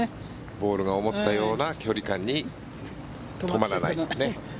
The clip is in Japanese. ボールが思ったような距離感に止まらない。